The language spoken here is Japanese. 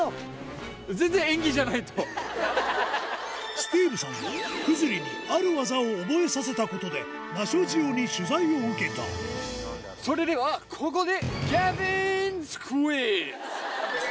スティーブさんはクズリにある技を覚えさせたことで『ナショジオ』に取材を受けたそれではここで。